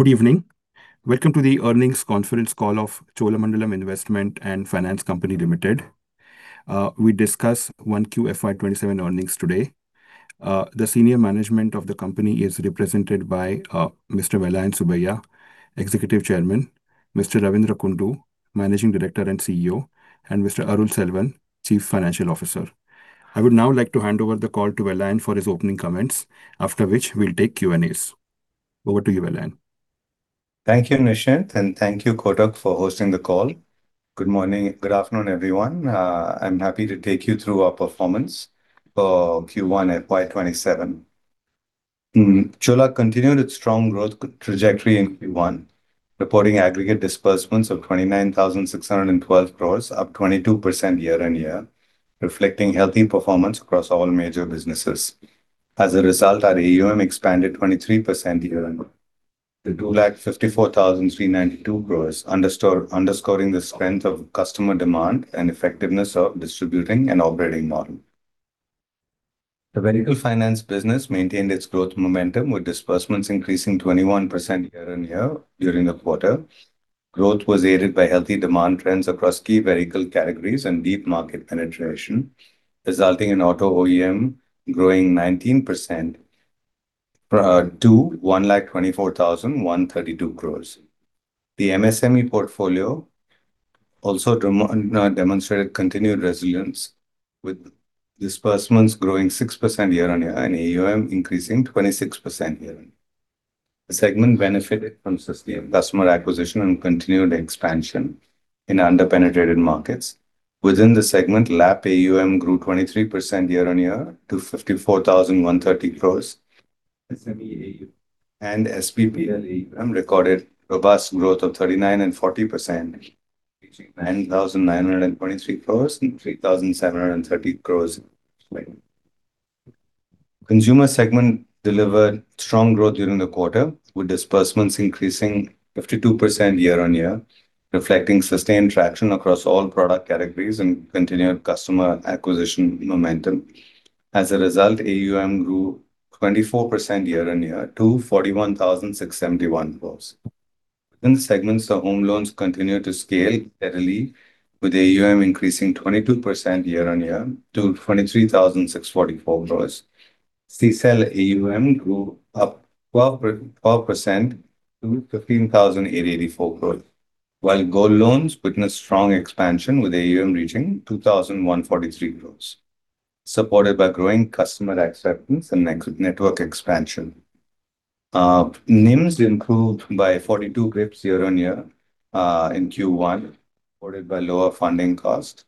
Good evening. Welcome to the earnings conference call of Cholamandalam Investment and Finance Company Limited. We discuss 1Q FY 2027 earnings today. The senior management of the company is represented by Mr. Vellayan Subbiah, Executive Chairman, Mr. Ravindra Kundu, Managing Director and CEO, and Mr. Arul Selvan, Chief Financial Officer. I would now like to hand over the call to Vellayan for his opening comments, after which we'll take Q&As. Over to you, Vellayan. Thank you, Nischint, thank you, Kotak, for hosting the call. Good afternoon, everyone. I'm happy to take you through our performance for Q1 FY 2027. Chola continued its strong growth trajectory in Q1, reporting aggregate disbursements of 29,612 crore, up 22% year-on-year, reflecting healthy performance across all major businesses. A result, our AUM expanded 23% year-on-year to 2,54,392 crore, underscoring the strength of customer demand and effectiveness of distributing and operating model. The vehicle finance business maintained its growth momentum, with disbursements increasing 21% year-on-year during the quarter. Growth was aided by healthy demand trends across key vehicle categories and deep market penetration, resulting in auto OEM growing 19% to 1,24,132 crore. The MSME portfolio also demonstrated continued resilience, with disbursements growing 6% year-on-year and AUM increasing 26% year-on-year. The segment benefited from sustained customer acquisition and continued expansion in under-penetrated markets. Within the segment, LAP AUM grew 23% year-on-year to 54,130 crore. SME AUM and SBPL AUM recorded robust growth of 39% and 40%, reaching 9,923 crore and 3,730 crore. Consumer segment delivered strong growth during the quarter, with disbursements increasing 52% year-on-year, reflecting sustained traction across all product categories and continued customer acquisition momentum. A result, AUM grew 24% year-on-year to 41,671 crore. Within the segments, the home loans continued to scale steadily, with AUM increasing 22% year-on-year to 23,644 crore. CSEL AUM grew up 12% to 15,884 crore, while gold loans witnessed strong expansion, with AUM reaching 2,143 crore, supported by growing customer acceptance and network expansion. NIM improved by 42 basis points year-on-year in Q1, supported by lower funding cost.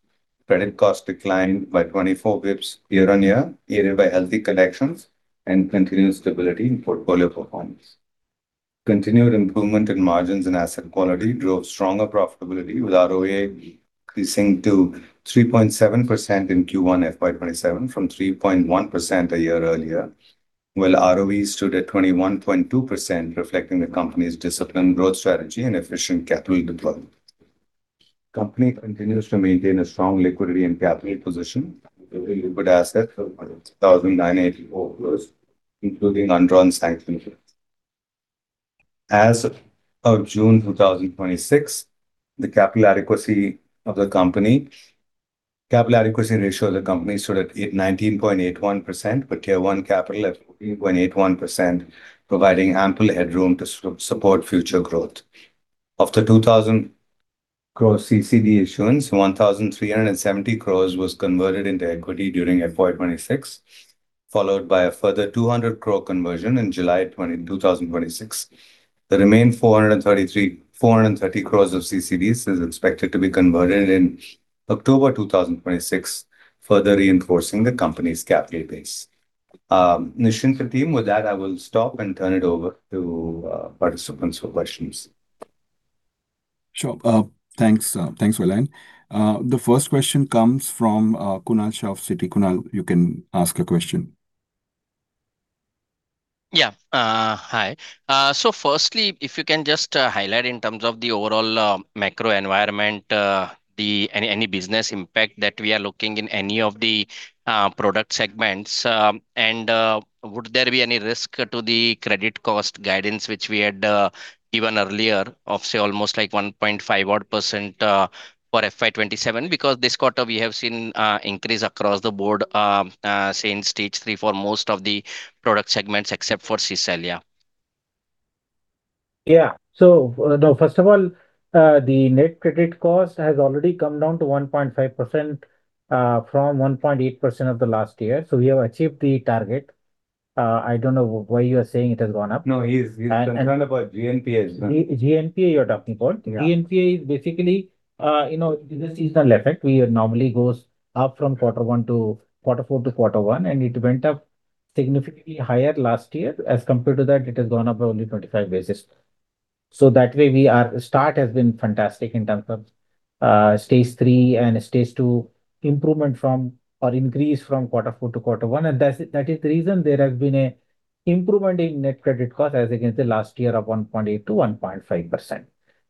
Credit cost declined by 24 basis points year-on-year, aided by healthy collections and continued stability in portfolio performance. Continued improvement in margins and asset quality drove stronger profitability, with ROA increasing to 3.7% in Q1 FY 2027 from 3.1% a year earlier, while ROE stood at 21.2%, reflecting the company's disciplined growth strategy and efficient capital deployment. Company continues to maintain a strong liquidity and capital position with good assets of 1,984 crore, including undrawn sanctions. Of June 2026, the capital adequacy ratio of the company stood at 19.81%, with Tier 1 capital at 14.81%, providing ample headroom to support future growth. Of the 2,000 crore CCD issuance, 1,370 crore was converted into equity during FY 2026, followed by a further 200 crore conversion in July 20, 2026. The remaining 430 crore of CCDs is expected to be converted in October 2026, further reinforcing the company's capital base. Nischint and team, with that, I will stop and turn it over to participants for questions. Sure. Thanks, Vellayan. The first question comes from Kunal Shah of Citi. Kunal, you can ask a question. Hi. Firstly, if you can just highlight in terms of the overall macro environment, any business impact that we are looking in any of the product segments. Would there be any risk to the credit cost guidance which we had given earlier of, say, almost 1.5-odd% for FY 2027? This quarter we have seen increase across the board, say, in Stage 3 for most of the product segments, except for CSEL. First of all, the net credit cost has already come down to 1.5% from 1.8% of the last year. We have achieved the target. I don't know why you are saying it has gone up. No, he's concerned about GNPA. GNPA you're talking about? Yeah. GNPA is basically the seasonal effect. We normally goes up from quarter four to quarter one, and it went up significantly higher last year. As compared to that, it has gone up by only 25 basis. That way, our start has been fantastic in terms of Stage 3 and Stage 2 improvement from or increase from quarter four to quarter one, and that is the reason there has been a improvement in net credit cost as against the last year of 1.8%-1.5%.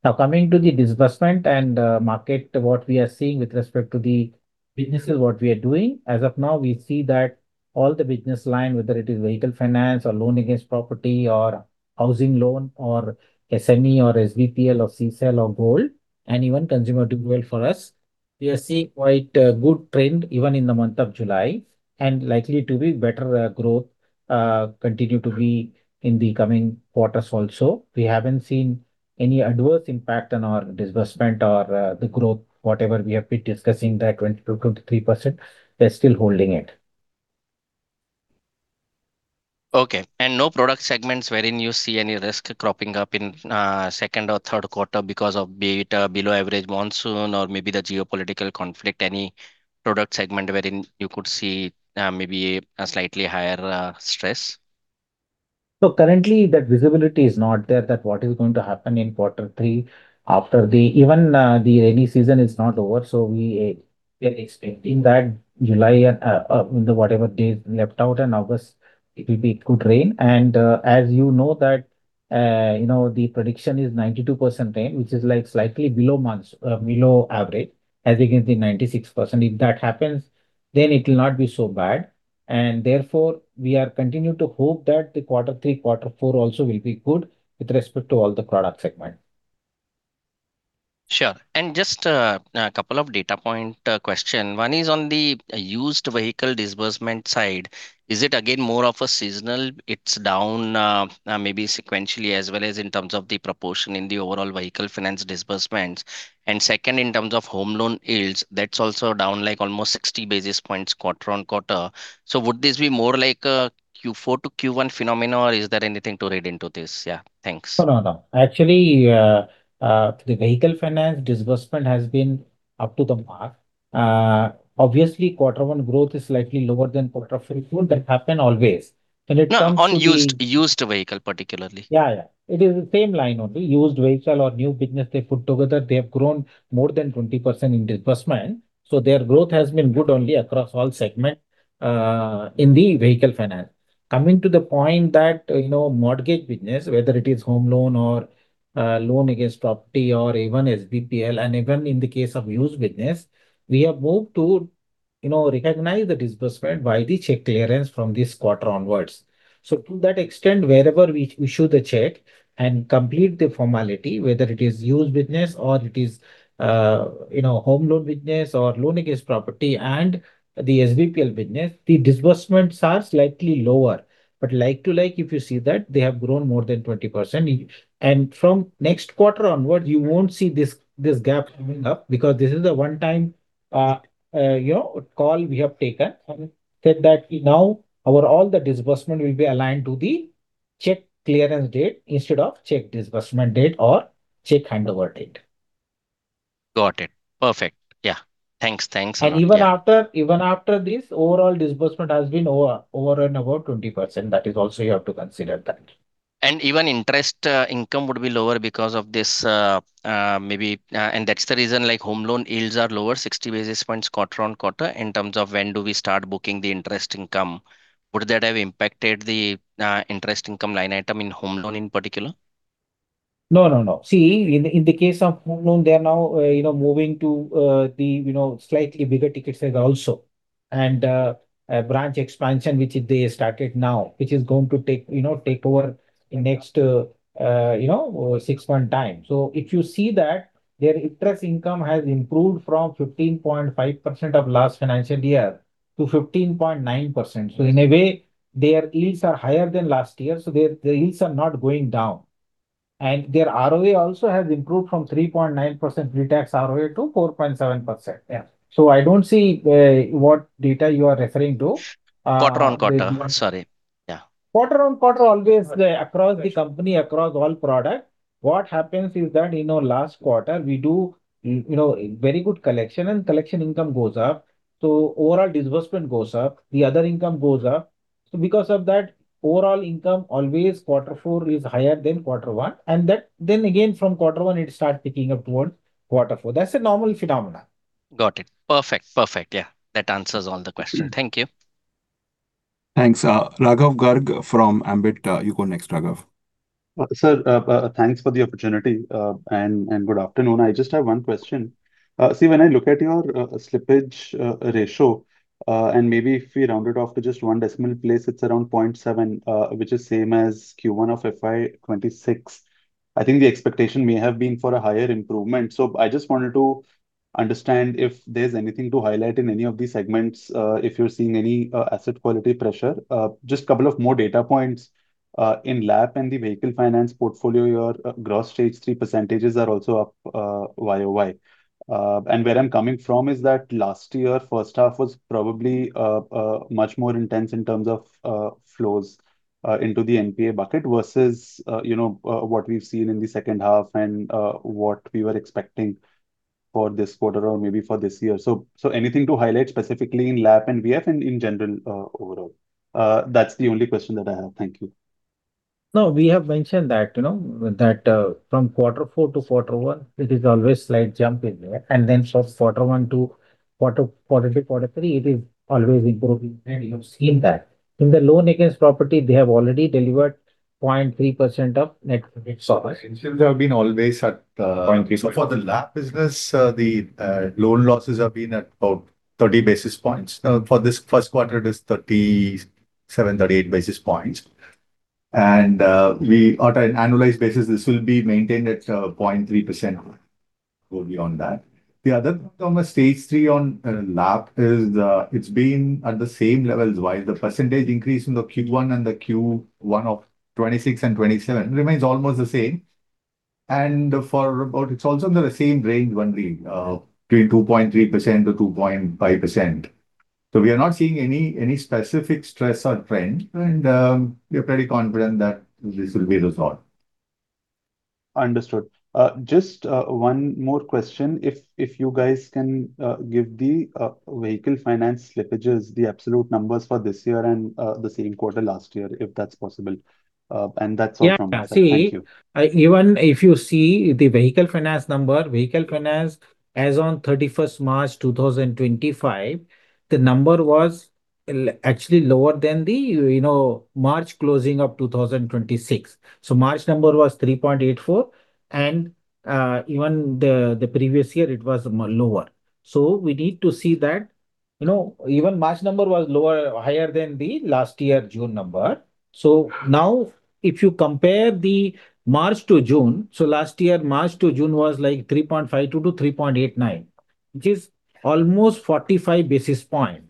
Now, coming to the disbursement and market, what we are seeing with respect to the business of what we are doing, as of now, we see that all the business line, whether it is Vehicle Finance or Loan Against Property or housing loan or SME or SBPL or CSEL or gold, and even consumer durable for us, we are seeing quite a good trend even in the month of July, and likely to be better growth, continue to be in the coming quarters also. We haven't seen any adverse impact on our disbursement or the growth, whatever we have been discussing, that 22%-23%, we're still holding it. Okay. No product segments wherein you see any risk cropping up in second or third quarter because of be it below average monsoon or maybe the geopolitical conflict, any product segment wherein you could see maybe a slightly higher stress? Currently, that visibility is not there that what is going to happen in quarter three after the Even the rainy season is not over, we are expecting that July, and whatever days left out in August, it could rain. As you know that the prediction is 92% rain, which is slightly below average as against the 96%. If that happens, it will not be so bad. Therefore, we are continuing to hope that the quarter three, quarter four also will be good with respect to all the product segment. Sure. Just a couple of data point question. One is on the used vehicle disbursement side. Is it again more of a seasonal, it's down, maybe sequentially as well as in terms of the proportion in the overall Vehicle Finance disbursements? Second, in terms of home loan yields, that's also down almost 60 basis points quarter-on-quarter. Would this be more like a Q4 to Q1 phenomenon, or is there anything to read into this? Thanks. No. Actually, the Vehicle Finance disbursement has been up to the mark. Obviously, quarter one growth is slightly lower than quarter three, four. That happen always. No, on used vehicle particularly. Yeah. It is the same line only. Used vehicle or new business they put together, they have grown more than 20% in disbursement. Their growth has been good only across all segment, in the Vehicle Finance. Coming to the point that, mortgage business, whether it is home loan or loan against property or even SBPL, and even in the case of used business, we have moved to recognize the disbursement by the check clearance from this quarter onwards. To that extent, wherever we issue the check and complete the formality, whether it is used business or it is home loan business or loan against property and the SBPL business, the disbursements are slightly lower. Like to like, if you see that, they have grown more than 20%. From next quarter onward, you won't see this gap coming up because this is a one-time call we have taken, and said that now overall the disbursement will be aligned to the check clearance date instead of check disbursement date or check handover date. Got it. Perfect. Yeah. Thanks a lot. Yeah. Even after this, overall disbursement has been over and above 20%. That is also, you have to consider that. Even interest income would be lower because of this, maybe, and that's the reason home loan yields are lower 60 basis points quarter-on-quarter in terms of when do we start booking the interest income. Would that have impacted the interest income line item in home loan in particular? No, no. See, in the case of home loan, they are now moving to the slightly bigger ticket size also. Branch expansion, which they started now, which is going to take over in next six-month time. If you see that, their interest income has improved from 15.5% of last financial year to 15.9%. In a way, their yields are higher than last year, their yields are not going down. Their ROE also has improved from 3.9% pre-tax ROE to 4.7%. Yeah. I don't see what data you are referring to. Quarter-on-quarter. Sorry. Yeah. Quarter-on-quarter, always across the company, across all product, what happens is that, last quarter we do very good collection, and collection income goes up, so overall disbursement goes up, the other income goes up. Because of that, overall income always quarter four is higher than quarter one, and then again from quarter one, it start picking up towards quarter four. That's a normal phenomena. Got it. Perfect. Yeah. That answers all the question. Thank you. Thanks. Raghav Garg from Ambit. You go next, Raghav. Sir, thanks for the opportunity, and good afternoon. I just have one question. When I look at your slippage ratio, and maybe if we round it off to just one decimal place, it's around 0.7%, which is same as Q1 of FY 2026. I think the expectation may have been for a higher improvement. I just wanted to understand if there's anything to highlight in any of these segments, if you're seeing any asset quality pressure. Just couple of more data points. In LAP and the vehicle finance portfolio, your gross Stage 3 percentages are also up YoY. Where I'm coming from is that last year, first half was probably much more intense in terms of flows into the NPA bucket versus what we've seen in the second half and what we were expecting for this quarter or maybe for this year. Anything to highlight specifically in LAP and VF and in general, overall? That's the only question that I have. Thank you. No. We have mentioned that from quarter four to quarter one, it is always slight jump in there. From quarter one to quarter two, quarter three, it is always improving, and you have seen that. In the loan against property, they have already delivered 0.3% of net profit. NCL have been always at 0.3%. For the LAP business, the loan losses have been at about 30 basis points. For this first quarter, it is 37, 38 basis points. At an annualized basis, this will be maintained at 0.3% going beyond that. The other point on the Stage 3 on LAP is it's been at the same levels while the percentage increase in the Q1 and the Q1 of 2026 and 2027 remains almost the same. For default, it's also in the same range, between 2.3%-2.5%. We are not seeing any specific stress or trend, and we are pretty confident that this will be resolved. Understood. Just one more question. If you guys can give the vehicle finance slippages, the absolute numbers for this year and the same quarter last year, if that's possible. That's all from my side. Thank you. Even if you see the vehicle finance number, Vehicle Finance as on 31st March 2025, the number was actually lower than the March closing of 2026. March number was 3.84%, and even the previous year it was lower. We need to see that. Even March number was higher than the last year June number. Now, if you compare the March to June, last year March to June was like 3.52%-3.89%, which is almost 45 basis point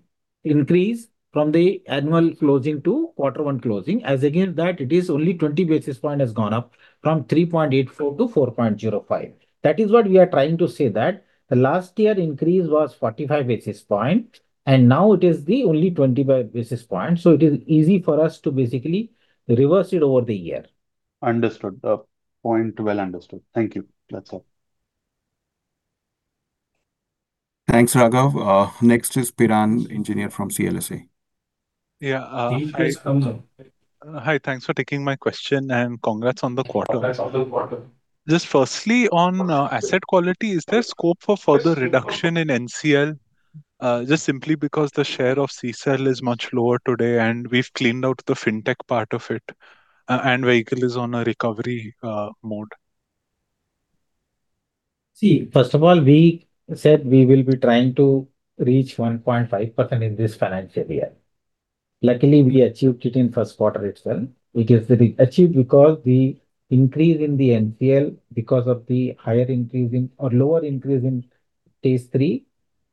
increase from the annual closing to quarter one closing. As against that, it is only 20 basis point has gone up from 3.84%-4.05%. That is what we are trying to say, that the last year increase was 45 basis point and now it is the only 25 basis point, it is easy for us to basically reverse it over the year. Understood. Point well understood. Thank you. That's all. Thanks, Raghav. Next is Piran Engineer from CLSA. Yeah. Piran comes up. Hi, thanks for taking my question, and congrats on the quarter. Just firstly on asset quality, is there scope for further reduction in NCL? Just simply because the share of CSEL is much lower today and we've cleaned out the fintech part of it, and vehicle is on a recovery mode. First of all, we said we will be trying to reach 1.5% in this financial year. Luckily, we achieved it in first quarter itself. It is achieved because the increase in the NCL because of the lower increase in Stage 3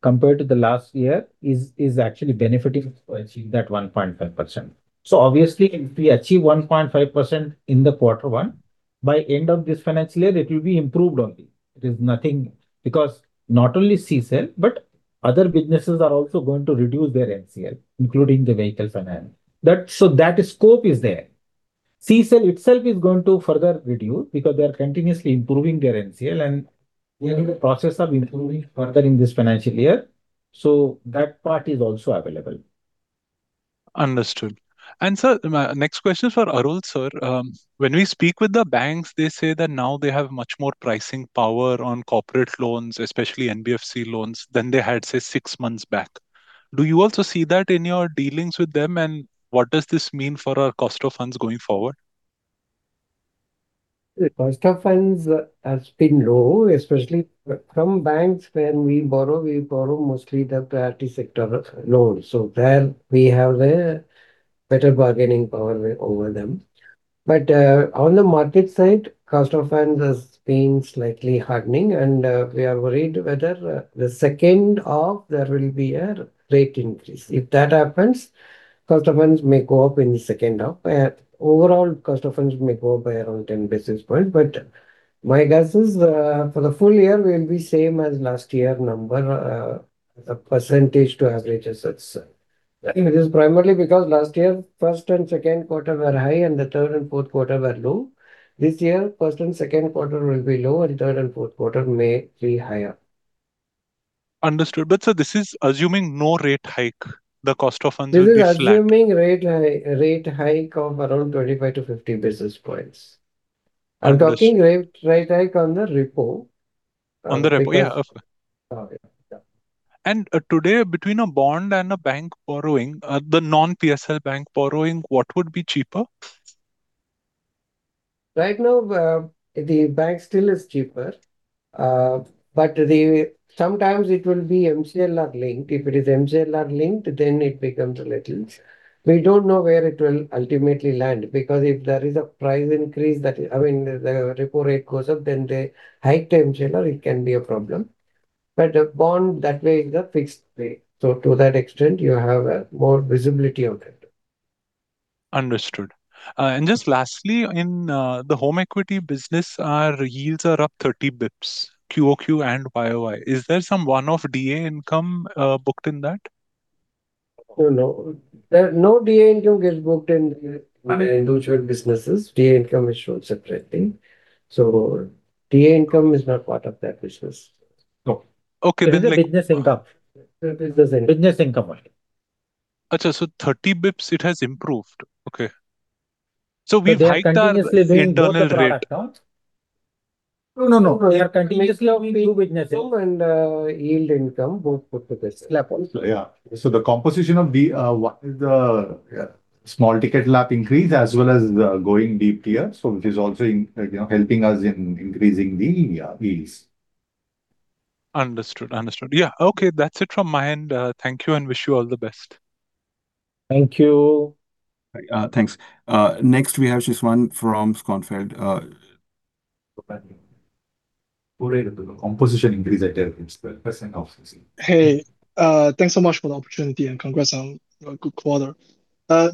compared to the last year is actually benefiting us to achieve that 1.5%. Obviously, if we achieve 1.5% in the quarter one, by end of this financial year, it will be improved only. It is nothing because not only CSEL, but other businesses are also going to reduce their NCL, including the Vehicle Finance. That scope is there. CSEL itself is going to further reduce because they are continuously improving their NCL and we are in the process of improving further in this financial year. That part is also available. Understood. Sir, my next question is for Arul, sir. When we speak with the banks, they say that now they have much more pricing power on corporate loans, especially NBFC loans, than they had, say, six months back. Do you also see that in your dealings with them, and what does this mean for our cost of funds going forward? The cost of funds has been low, especially from banks when we borrow, we borrow mostly the priority sector loans, there we have a better bargaining power over them. On the market side, cost of funds has been slightly hardening, and we are worried whether the second half there will be a rate increase. If that happens, cost of funds may go up in the second half. Overall cost of funds may go up by around 10 basis points, but my guess is, for the full year, we'll be same as last year number, the percentage to averages. It is primarily because last year, first and second quarter were high and the third and fourth quarter were low. This year, first and second quarter will be low and third and fourth quarter may be higher. Understood. Sir, this is assuming no rate hike, the cost of funds will be flat. This is assuming rate hike of around 25-50 basis points. Understood. I'm talking rate hike on the repo. On the repo, yeah. Yeah. Today, between a bond and a bank borrowing, the non-PSL bank borrowing, what would be cheaper? Right now, the bank still is cheaper. Sometimes it will be MCLR linked. If it is MCLR linked, then We don't know where it will ultimately land, because if there is a price increase, I mean, the repo rate goes up, then they hike the MCLR, it can be a problem. A bond, that way is a fixed pay. To that extent, you have more visibility of that. Understood. Just lastly, in the home equity business, our yields are up 30 basis points, QoQ and YoY. Is there some one-off DA income booked in that? No. No DA income gets booked in the individual businesses. DA income is shown separately. DA income is not part of that business. No. Okay. It is business income. It is business income. Business income only. 30 basis points it has improved. Okay. We hiked the internal. They are continuously building product accounts. No, we are continuously doing business and yield income both put to this LAP also. Yeah. The composition of the small ticket LAP increase as well as going deep tier. It is also helping us in increasing the yields. Understood. Yeah, okay. That's it from my end. Thank you and wish you all the best. Thank you. Thanks. Next we have Shixuan from UBS. Composition increase. Hey, thanks so much for the opportunity, and congrats on your good quarter.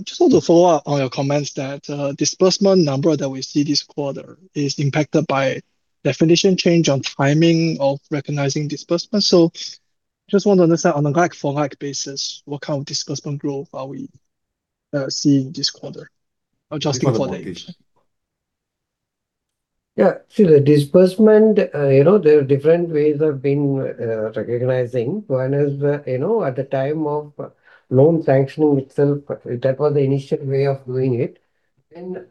Just wanted to follow up on your comments that disbursement number that we see this quarter is impacted by definition change on timing of recognizing disbursement. Just want to understand, on a like-for-like basis, what kind of disbursement growth are we seeing this quarter, adjusting for that? Yeah. See, the disbursement, there are different ways of recognizing. One is, at the time of loan sanctioning itself, that was the initial way of doing it.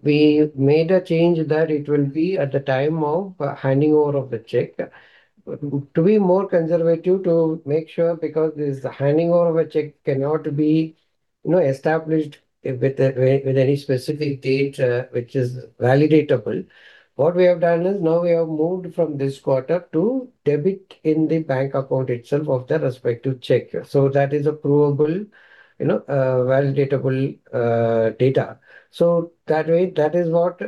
We made a change that it will be at the time of handing over of the check. To be more conservative, to make sure, because this handing over of a check cannot be established with any specific date, which is validatable. What we have done is now we have moved from this quarter to debit in the bank account itself of the respective check. That is a provable, validatable data. That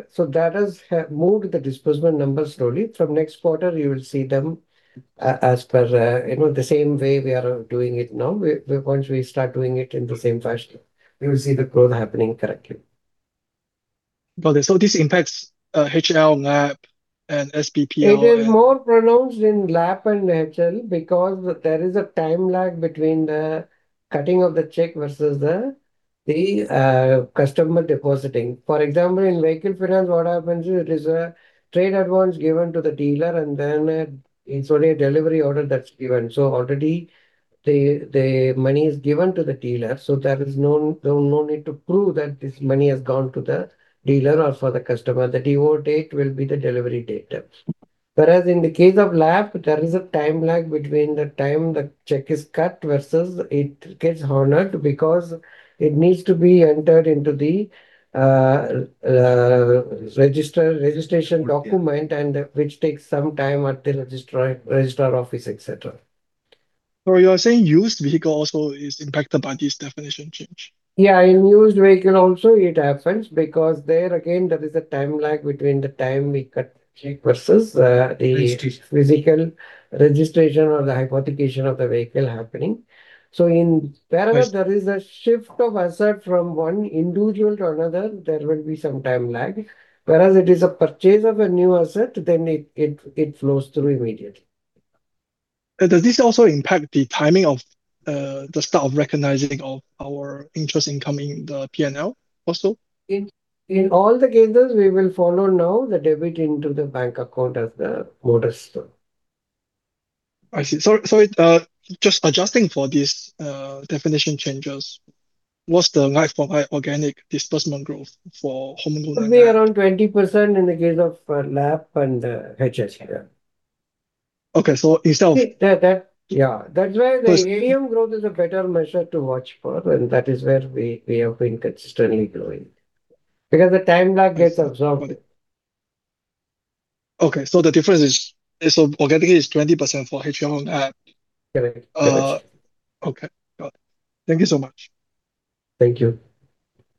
has moved the disbursement numbers slowly. From next quarter, you will see them as per the same way we are doing it now. Once we start doing it in the same fashion, we will see the growth happening correctly. Okay. This impacts HL, LAP, and SBPL? It is more pronounced in LAP and HL because there is a time lag between the cutting of the check versus the customer depositing. For example, in vehicle finance, what happens is it is a trade advance given to the dealer and then it's only a delivery order that's given. Already the money is given to the dealer, so there was no need to prove that this money has gone to the dealer or for the customer. The debit date will be the delivery date. Whereas in the case of LAP, there is a time lag between the time the check is cut versus it gets honored, because it needs to be entered into the registration document, which takes some time at the registrar office, et cetera. You are saying used vehicle also is impacted by this definition change? In used vehicle also it happens because there, again, there is a time lag between the time we cut check versus the. Registration. Physical registration or the hypothecation of the vehicle happening. In wherever there is a shift of asset from one individual to another, there will be some time lag. It is a purchase of a new asset, it flows through immediately. Does this also impact the timing of the start of recognizing of our interest income in the P&L also? In all the cases, we will follow now the debit into the bank account as the modus. I see. Just adjusting for these definition changes, what's the like-for-like organic disbursement growth for home loan and. It will be around 20% in the case of LAP and HL. Yeah. Okay. itself. Yeah. That's why the AUM growth is a better measure to watch for, that is where we have been consistently growing, because the time lag gets absorbed. Okay. The difference is, organically, it's 20% for HL and LAP. Correct. Okay. Got it. Thank you so much. Thank you.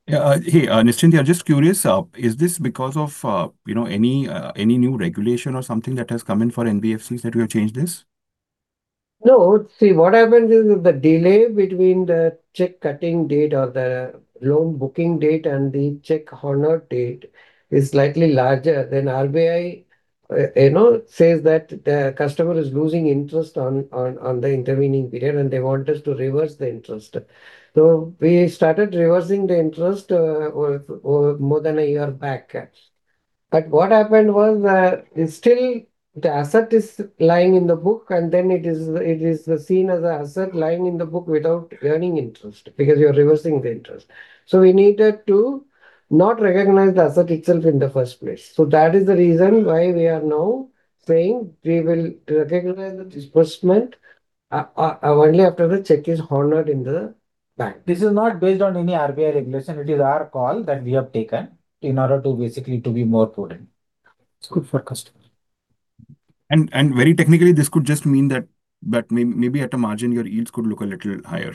Yeah. Hey, Nischint, I'm just curious, is this because of any new regulation or something that has come in for NBFCs that you have changed this? No. See, what happens is the delay between the check cutting date or the loan booking date and the check honored date is slightly larger than RBI says that the customer is losing interest on the intervening period, and they want us to reverse the interest. We started reversing the interest more than a year back. What happened was that still the asset is lying in the book, and then it is seen as an asset lying in the book without earning interest, because you're reversing the interest. We needed to not recognize the asset itself in the first place. That is the reason why we are now saying we will recognize the disbursement only after the check is honored in the bank. This is not based on any RBI regulation. It is our call that we have taken in order to basically to be more prudent. It's good for customers. Very technically, this could just mean that maybe at a margin, your yields could look a little higher.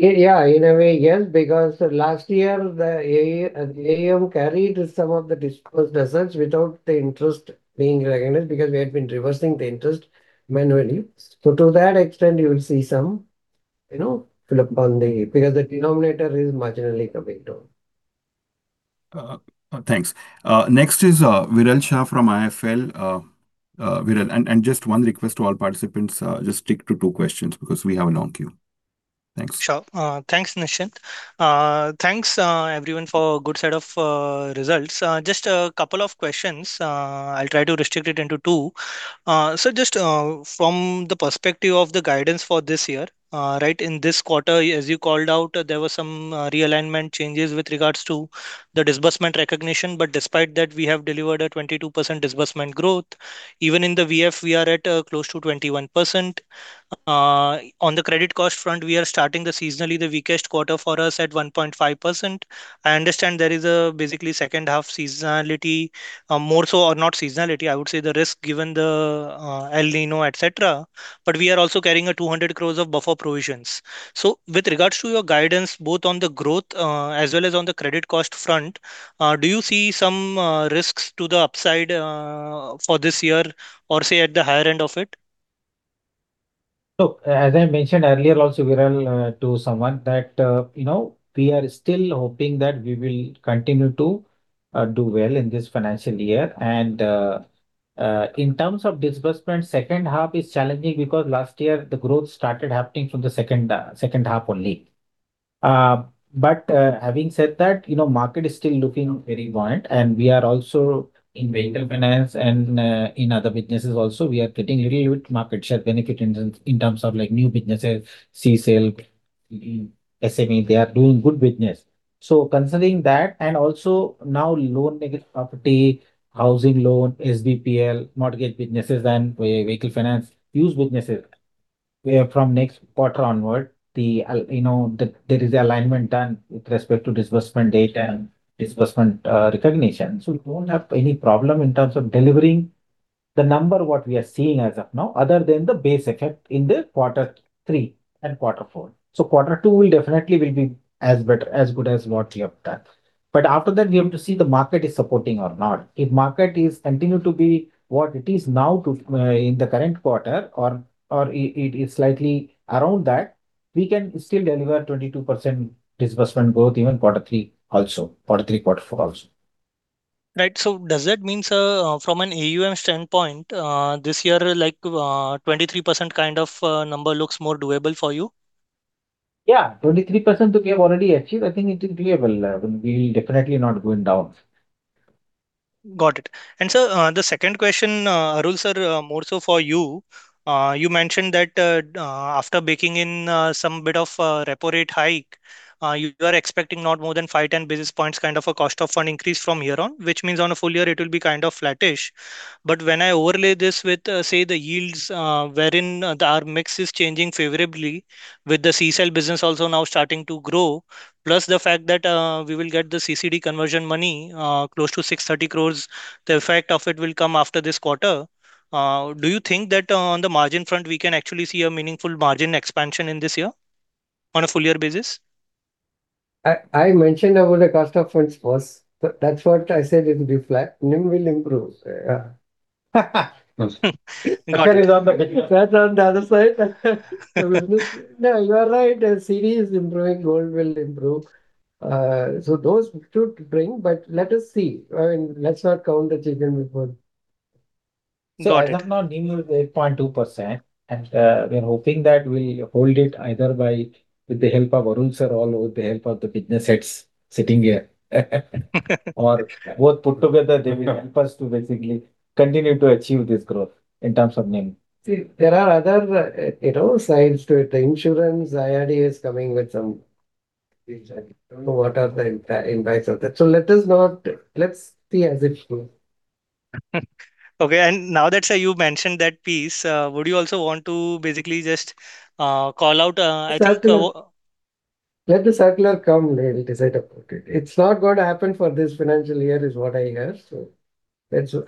Yeah. In a way, yes, because last year, the AUM carried some of the dispersed assets without the interest being recognized because we had been reversing the interest manually. To that extent, you will see some fill-up, because the denominator is marginally coming down. Thanks. Next is Viral Shah from IIFL. Viral. Just one request to all participants, just stick to two questions because we have a long queue. Sure. Thanks, Nischint. Thanks, everyone, for a good set of results. Just a couple of questions. I'll try to restrict it into two. Just from the perspective of the guidance for this year, right? In this quarter, as you called out, there were some realignment changes with regards to the disbursement recognition. Despite that, we have delivered a 22% disbursement growth. Even in the VF, we are at close to 21%. On the credit cost front, we are starting the seasonally the weakest quarter for us at 1.5%. I understand there is a basically second half seasonality, more so or not seasonality, I would say the risk given the El Niño, et cetera, but we are also carrying 200 crores of buffer provisions. With regards to your guidance, both on the growth, as well as on the credit cost front, do you see some risks to the upside for this year or, say, at the higher end of it? Look, as I mentioned earlier also, Viral, to someone that we are still hoping that we will continue to do well in this financial year. In terms of disbursement, second half is challenging because last year the growth started happening from the second half only. Having said that, market is still looking very buoyant and we are also in vehicle finance and in other businesses also, we are getting little bit market share benefit in terms of new businesses, CSEL, SME, they are doing good business. Considering that, and also now loan negative property, housing loan, SBPL, mortgage businesses and vehicle finance, used businesses, where from next quarter onward, there is alignment done with respect to disbursement date and disbursement recognition. We don't have any problem in terms of delivering the number what we are seeing as of now, other than the base effect in the quarter three and quarter four. Quarter two will definitely will be as good as what we have done. After that, we have to see the market is supporting or not. If market is continue to be what it is now in the current quarter or it is slightly around that, we can still deliver 22% disbursement growth even quarter three, quarter four also. Right. Does that mean, from an AUM standpoint, this year, 23% kind of number looks more doable for you? Yeah, 23% we have already achieved. I think it is doable. We'll definitely not going down. Got it. Sir, the second question, Arul Sir, more so for you. You mentioned that after baking in some bit of repo rate hike, you are expecting not more than 5, 10 basis points, kind of a cost of fund increase from here on, which means on a full year it will be flattish. When I overlay this with, say, the yields, wherein our mix is changing favorably with the CSEL business also now starting to grow, plus the fact that we will get the CCD conversion money, close to 630 crores, the effect of it will come after this quarter. Do you think that on the margin front, we can actually see a meaningful margin expansion in this year on a full year basis? I mentioned about the cost of funds first. That's what I said, it will be flat. NIM will improve. Yeah. On the other side. No, you are right. CCD is improving, gold will improve. Those should bring, but let us see. I mean, let's not count the chicken before. Got it. As of now, NIM is 8.2%, and we are hoping that we'll hold it either by with the help of Arul sir or with the help of the business heads sitting here. Both put together, they will help us to basically continue to achieve this growth in terms of NIM. See, there are other sides to it. The insurance IRDAI is coming with some things that I don't know what are the impacts of that. Let's see as it goes. Now that, sir, you mentioned that piece, would you also want to basically just call out. Let the circular come, we'll decide about it. It's not going to happen for this financial year is what I hear, so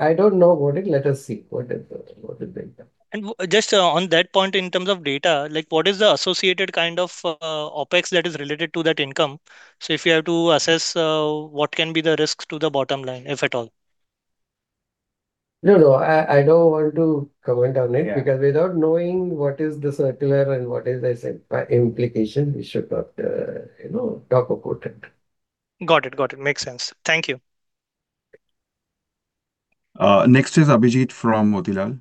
I don't know about it. Let us see what is the impact. Just on that point, in terms of data, what is the associated kind of OpEx that is related to that income? If you have to assess what can be the risks to the bottom line, if at all. No, I don't want to comment on it. Yeah. Without knowing what is the circular and what is the implication, we should not talk about it. Got it. Makes sense. Thank you. Next is Abhijit from Motilal.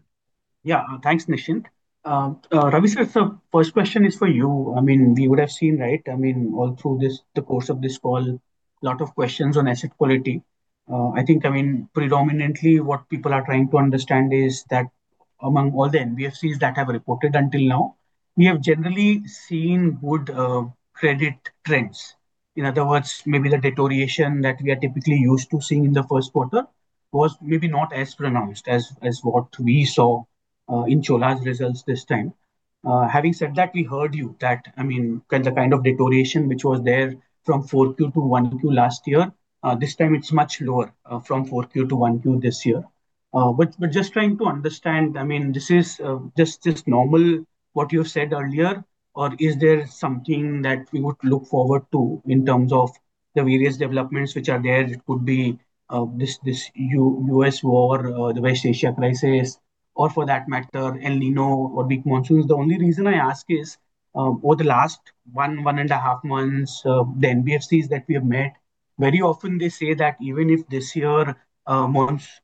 Yeah. Thanks, Nischint. Ravi sir, first question is for you. We would have seen, right? I mean, all through the course of this call, lot of questions on asset quality. I think predominantly what people are trying to understand is that among all the NBFCs that have reported until now, we have generally seen good credit trends. In other words, maybe the deterioration that we are typically used to seeing in the first quarter was maybe not as pronounced as what we saw in Chola's results this time. Having said that, we heard you that the kind of deterioration which was there from 4Q to 1Q last year, this time it's much lower from 4Q to 1Q this year. Just trying to understand, this is just normal what you said earlier, or is there something that we would look forward to in terms of the various developments which are there? It could be this U.S. war, the West Asia crisis, or for that matter, El Niño or weak monsoons. The only reason I ask is, over the last one and a half months, the NBFCs that we have met, very often they say that even if this year,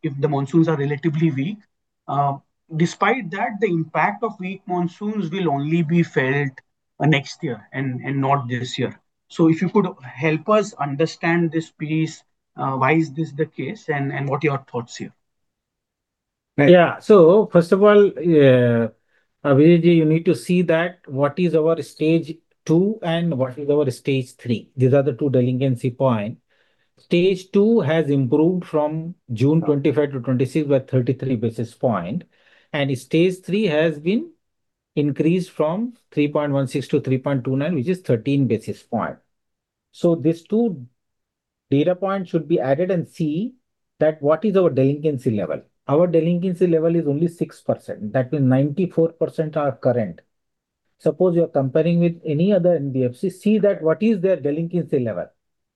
if the monsoons are relatively weak, Despite that, the impact of weak monsoons will only be felt next year and not this year. If you could help us understand this, please. Why is this the case, and what are your thoughts here? Yeah. First of all, Abhijit, you need to see that what is our Stage 2 and what is our Stage 3. These are the two delinquency points. Stage 2 has improved from June 25-26 by 33 basis point, and Stage 3 has been increased from 3.16%-3.29%, which is 13 basis point. These two data points should be added and see that what is our delinquency level. Our delinquency level is only 6%, that means 94% are current. Suppose you're comparing with any other NBFC, see that what is their delinquency level,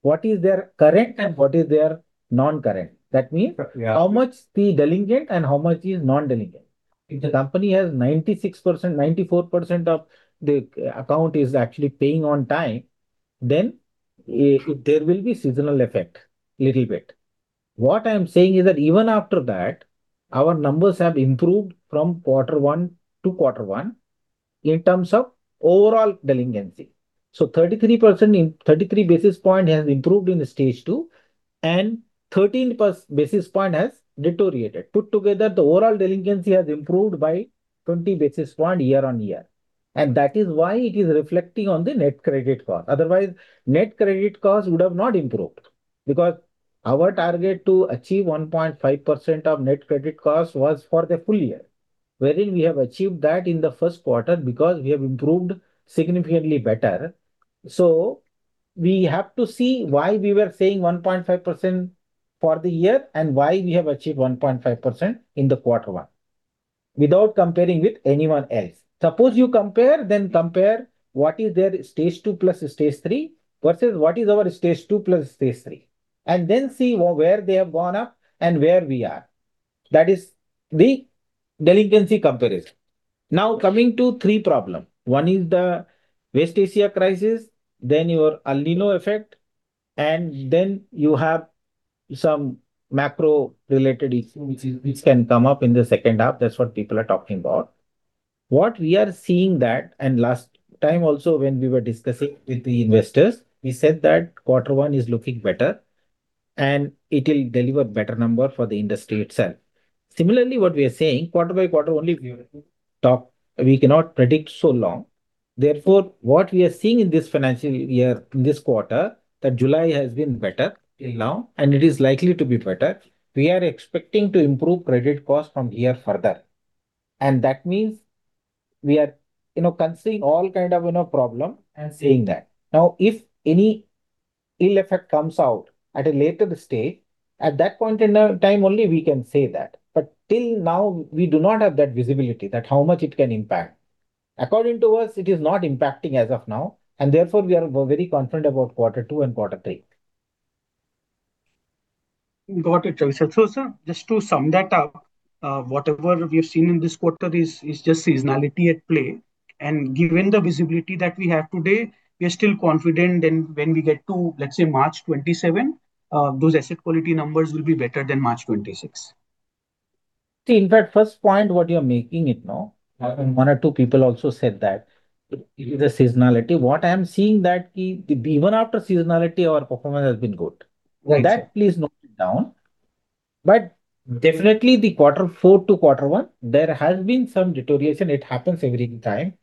what is their current, and what is their non-current. Yeah. How much the delinquent and how much is non-delinquent. If the company has 96%, 94% of the account is actually paying on time, then there will be seasonal effect, little bit. What I'm saying is that even after that, our numbers have improved from quarter one to quarter one in terms of overall delinquency. 33 basis points has improved in the Stage 2, and 13 basis points has deteriorated. Put together, the overall delinquency has improved by 20 basis points year-on-year. That is why it is reflecting on the net credit cost. Otherwise, net credit cost would have not improved, because our target to achieve 1.5% of net credit cost was for the full year, wherein we have achieved that in the first quarter because we have improved significantly better. We have to see why we were saying 1.5% for the year and why we have achieved 1.5% in the quarter one, without comparing with anyone else. Suppose you compare, then compare what is their Stage 2 plus Stage 3 versus what is our Stage 2 plus Stage 3, and then see where they have gone up and where we are. That is the delinquency comparison. Now, coming to three problems. One is the West Asia crisis, then your El Niño effect, and then you have some macro-related issue, which can come up in the second half. That's what people are talking about. What we are seeing that, last time also when we were discussing with the investors, we said that quarter one is looking better, and it will deliver better number for the industry itself. Similarly, what we are saying, quarter by quarter only we talk. We cannot predict so long. What we are seeing in this financial year, in this quarter, that July has been better till now, and it is likely to be better. We are expecting to improve credit cost from here further. That means we are considering all kinds of problems and saying that. If any ill effect comes out at a later stage, at that point in time only we can say that, but till now, we do not have that visibility, that how much it can impact. According to us, it is not impacting as of now, and therefore, we are very confident about quarter two and quarter three. Got it, Ravi. Sir, just to sum that up, whatever we have seen in this quarter is just seasonality at play. Given the visibility that we have today, we are still confident and when we get to, let's say, March 2027, those asset quality numbers will be better than March 2026. See, in fact, first point what you're making it now, one or two people also said that. The seasonality. What I'm seeing that even after seasonality, our performance has been good. Right, sir. That please note it down. Definitely the quarter four to quarter one, there has been some deterioration. It happens every time.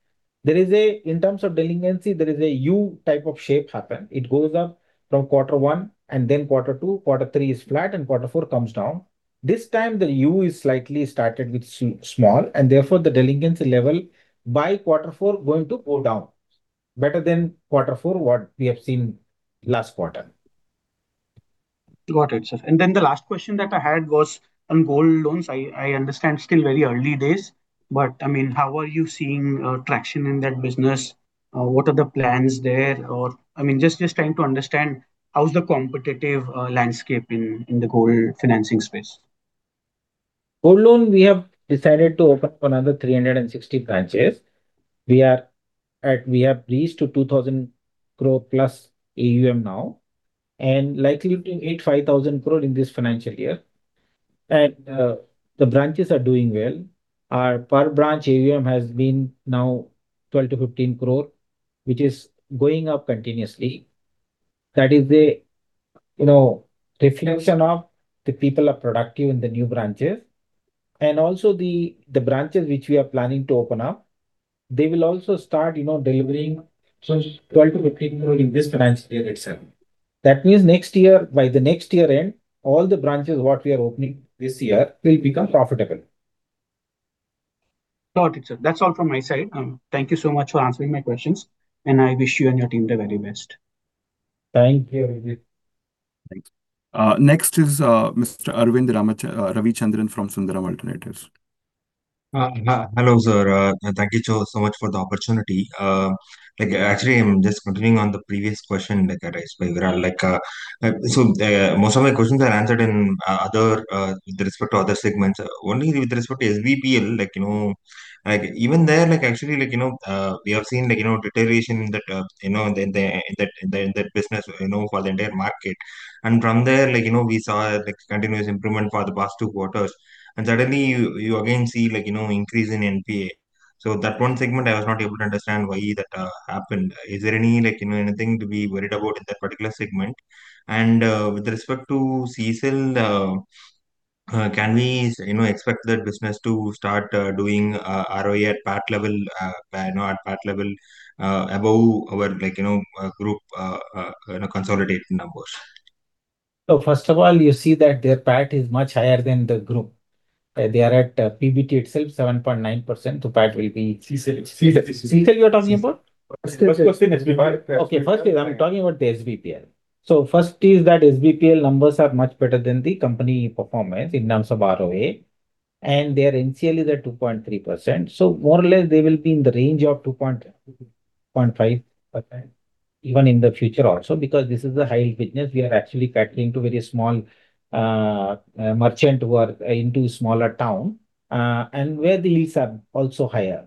In terms of delinquency, there is a U type of shape happen. It goes up from quarter one and then quarter two, quarter three is flat, and quarter four comes down. This time, the U is slightly started with small. Therefore, the delinquency level by quarter four going to go down. Better than quarter four, what we have seen last quarter. Got it, sir. Then the last question that I had was on gold loans. I understand still very early days, but how are you seeing traction in that business? What are the plans there? Just trying to understand how's the competitive landscape in the gold financing space. Gold loan, we have decided to open up another 360 branches. We have reached to 2,000 crore plus AUM now, likely to hit 5,000 crore in this financial year. The branches are doing well. Our per-branch AUM has been now 12 crore-15 crore, which is going up continuously. That is a reflection of the people are productive in the new branches. Also the branches which we are planning to open up, they will also start delivering 12 crore-15 crore in this financial year itself. That means by the next year end, all the branches what we are opening this year will become profitable. Got it, sir. That's all from my side. Thank you so much for answering my questions, I wish you and your team the very best. Thank you, Abhijit. Thanks. Next is Mr. Arvind Ravichandran from Sundaram Alternatives. Hello, sir. Thank you so much for the opportunity. Actually, I am just continuing on the previous question that I asked Viral. Most of my questions are answered with respect to other segments. Only with respect to SBPL. Even there, actually, we have seen deterioration in that business for the entire market. From there, we saw continuous improvement for the past two quarters. Suddenly, you again see increase in NPA. That one segment, I was not able to understand why that happened. Is there anything to be worried about in that particular segment? With respect to CSEL, can we expect that business to start doing ROE at PAT level, above our group consolidated numbers? First of all, you see that their PAT is much higher than the group. They are at PBT itself, 7.9%, PAT will be. CSEL. CSEL, you are talking about? First question is before. Firstly, I'm talking about the SBPL. First is that SBPL numbers are much better than the company performance in terms of ROA, and their NCL is at 2.3%. More or less, they will be in the range of 2.5%, even in the future also, because this is a high yield business. We are actually catering to very small merchant who are into smaller town, and where the yields are also higher.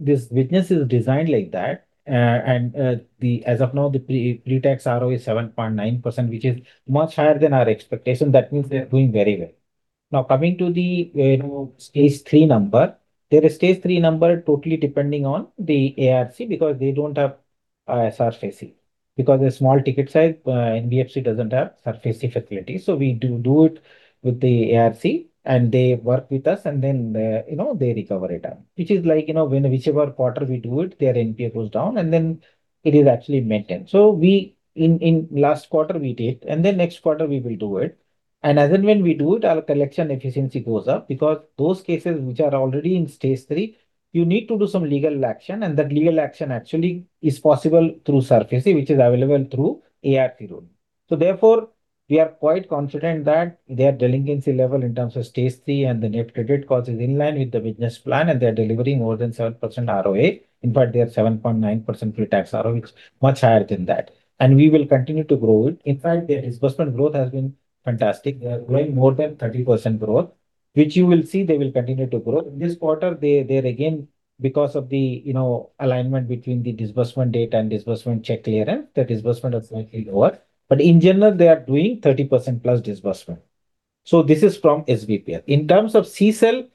This business is designed like that. As of now, the pre-tax ROE is 7.9%, which is much higher than our expectation. That means they're doing very well. Coming to the Stage 3 number. Their Stage 3 number totally depending on the ARC because they don't have SARFAESI. Because a small ticket size NBFC doesn't have SARFAESI facility. We do it with the ARC, and they work with us and then they recover it up, which is like, whichever quarter we do it, their NPA goes down, and then it is actually maintained. In last quarter, we did, and next quarter we will do it. As and when we do it, our collection efficiency goes up because those cases which are already in Stage 3, you need to do some legal action, and that legal action actually is possible through SARFAESI, which is available through ARC rule. Therefore, we are quite confident that their delinquency level in terms of Stage 3 and the net credit cost is in line with the business plan, and they're delivering more than 7% ROA. In fact, they are 7.9% pre-tax ROE, which is much higher than that. We will continue to grow it. In fact, their disbursement growth has been fantastic. They are growing more than 30% growth, which you will see they will continue to grow. In this quarter, they are again, because of the alignment between the disbursement date and disbursement check clearance, the disbursement are slightly lower. In general, they are doing 30%+ disbursement. This is from SBPL. In terms of CSEL,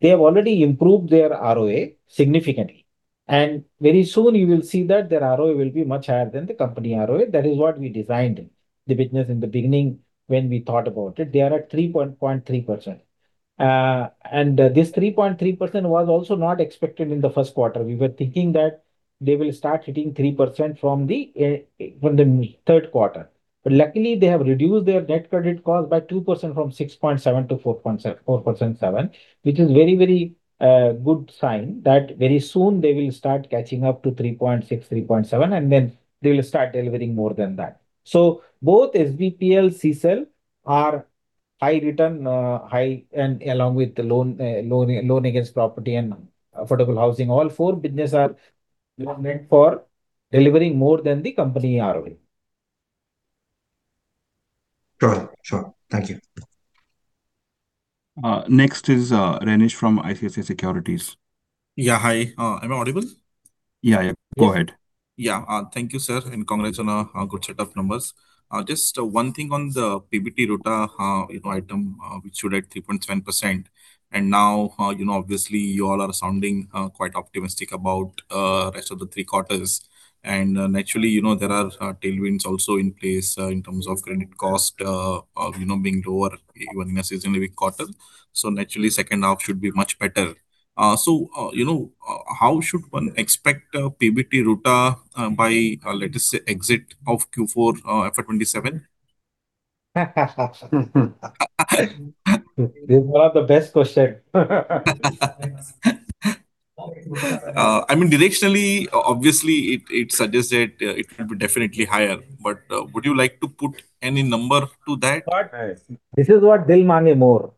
they have already improved their ROA significantly, and very soon you will see that their ROA will be much higher than the company ROA. That is what we designed the business in the beginning when we thought about it. They are at 3.3%. This 3.3% was also not expected in the first quarter. We were thinking that they will start hitting 3% from the third quarter. Luckily, they have reduced their net credit cost by 2%, from 6.7% to 4.7%, which is very good sign that very soon they will start catching up to 3.6%, 3.7%, and they'll start delivering more than that. Both SBPL, CSEL are high return, along with the loan against property and affordable housing. All four business are meant for delivering more than the company ROE. Sure. Thank you. Next is Renish from ICICI Securities. Yeah. Hi. Am I audible? Yeah. Go ahead. Yeah. Thank you, sir, and congrats on a good set of numbers. Just one thing on the PBT ROA item, which showed at 3.7%. Now, obviously, you all are sounding quite optimistic about rest of the three quarters. Naturally, there are tailwinds also in place in terms of credit cost being lower even in a seasonally weak quarter. Naturally, second half should be much better. How should one expect PBT ROA by, let us say, exit of Q4 FY 2027? This is one of the best question. I mean, directionally, obviously, it suggested it will be definitely higher, but would you like to put any number to that? This is what "Dil Maange More".